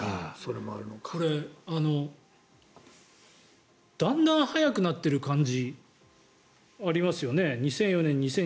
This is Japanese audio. これ、だんだん速くなってる感じがありますよね。